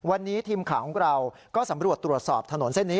วันนี้ทีมข่าวของเราก็สำรวจตรวจสอบถนนเส้นนี้